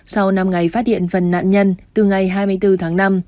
sau năm ngày phát điện phần nạn nhân từ ngày hai mươi bốn tháng năm